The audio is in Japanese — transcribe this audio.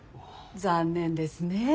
残念ですねえ。